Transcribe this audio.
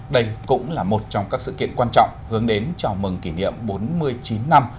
đây cũng là một trong các sự kiện quan trọng hướng đến chào mừng kỷ niệm bốn mươi chín năm